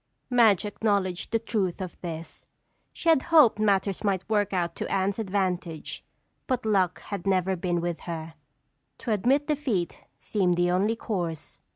Madge acknowledged the truth of this. She had hoped matters might work out to Anne's advantage but luck had never been with her. To admit defeat seemed the only course.